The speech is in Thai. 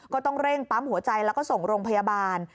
ก็ต้องเร่งปั๊มหัวใจแล้วก็ส่งโรงพยาบาล